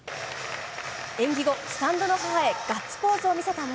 演技後、スタンドの母へガッツポーズを見せた森。